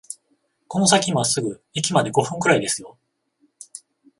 この先まっすぐ、駅まで五分くらいですよ